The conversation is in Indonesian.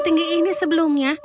aku ingin mencari buah buahan